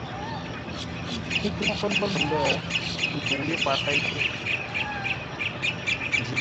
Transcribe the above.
Pə́ tsóghʼə́ lwô ndə̂, nkəu yé kwar péi nj́-mǒghʼ.